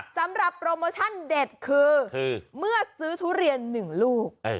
สำหรับโปรโมชั่นเด็ดคือเมื่อซื้อทุเรียน๑ลูก